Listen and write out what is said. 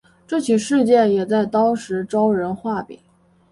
这起事件也在当时招人话柄。